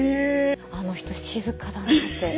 あの人静かだなって。